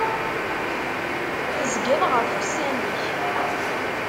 Tezgiḍ ɣef ussan-ik.